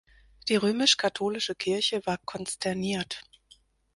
Die römisch-katholische Kirche war konsterniert.